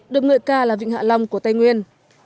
được ngợi ca là vịnh hạ long của tây nguyên